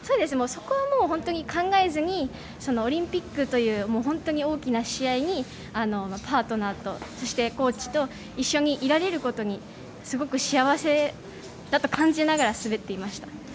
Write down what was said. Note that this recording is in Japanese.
そこは本当に考えずにオリンピックという本当に大きな試合にパートナーと、そしてコーチと一緒にいられることにすごく幸せだと感じながら滑っていました。